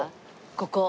ここ。